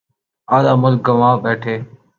آدھا ملک گنوا بیٹھے۔